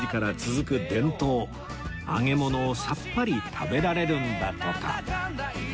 揚げ物をさっぱり食べられるんだとか